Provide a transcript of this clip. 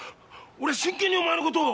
俺真剣にお前の事を。